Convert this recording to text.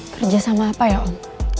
kerjasama apa ya om